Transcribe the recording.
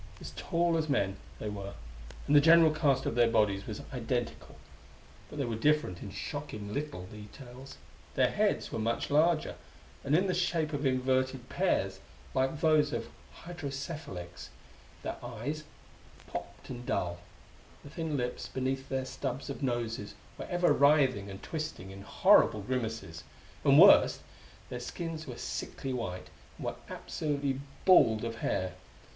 As tall as men, they were, and the general cast of their bodies was identical. But they were different in shocking little details. Their heads were much larger, and in the shape of inverted pears, like those of hydrocephalics; their eyes, popped and dull. The thin lips beneath their stubs of noses were ever writhing and twisting in horrible grimaces. And, worst, their skins were sickly white, and were absolutely bald of hair.